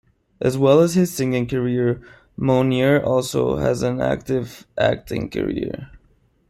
As well as his singing career, Mounir also has an active acting career.